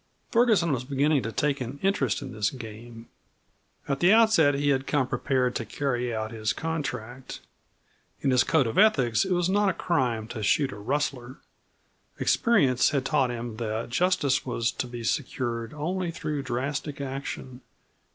Ferguson was beginning to take an interest in this game. At the outset he had come prepared to carry out his contract. In his code of ethics it was not a crime to shoot a rustler. Experience had taught him that justice was to be secured only through drastic action.